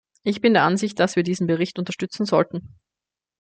Ich bin der Ansicht, dass wir diesen Bericht unterstützen sollten.